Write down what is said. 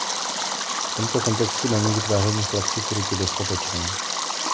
V tomto kontextu není vytváření flexikurity dostatečné.